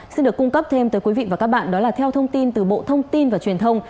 xin được cung cấp thêm tới quý vị và các bạn đó là theo thông tin từ bộ thông tin và truyền thông